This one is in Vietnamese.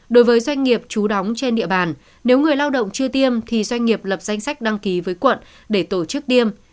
đối với doanh nghiệp chú đóng trên địa bàn nếu người lao động chưa tiêm thì doanh nghiệp lập danh sách đăng ký với quận để tổ chức tiêm